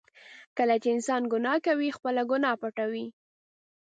کله چې انسان ګناه کوي، خپله ګناه پټوي.